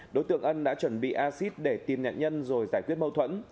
đối tượng ân đã chuẩn bị axit để tìm nhận nhân rồi giải quyết mâu thuẫn